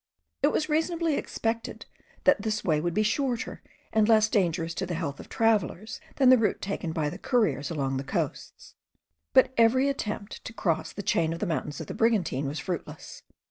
It was reasonably expected that this way would be shorter, and less dangerous to the health of travellers, than the route taken by the couriers along the coasts; but every attempt to cross the chain of the mountains of the Brigantine was fruitless.